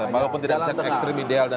bahkan tidak bisa ke ekstrim ideal